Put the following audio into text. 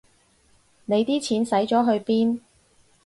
你啲錢使咗去邊